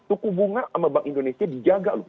suku bunga sama bank indonesia dijaga loh